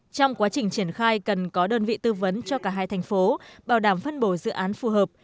trong quá trình triển khai cần có đơn vị tư vấn cho cả hai thành phố bảo đảm phân bổ dự án phù hợp